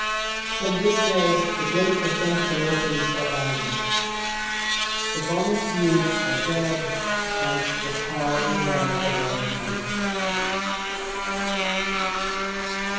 From this day the great adventure opens for Ireland. The Volunteers are dead, and the call is now for volunteers.